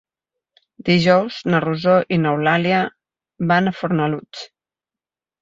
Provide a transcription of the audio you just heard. Dijous na Rosó i n'Eulàlia van a Fornalutx.